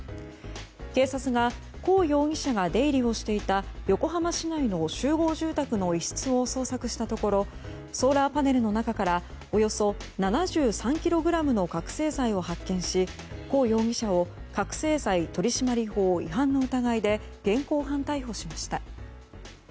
警察がコウ容疑者が出入りをしていた横浜市内の集合住宅の一室を捜索したところソーラーパネルの中からおよそ７３ｋｇの覚醒剤を発見しコウ容疑者を覚醒剤取締法違反の疑いで現行犯逮捕しました。